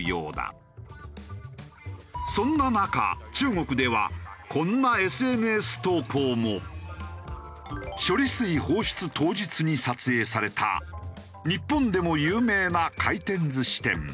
そんな中中国では処理水放出当日に撮影された日本でも有名な回転寿司店。